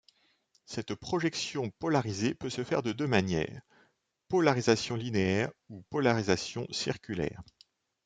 Cette projection polarisée peut se faire de deux manières: polarisation linéaire ou polarisation circulaire.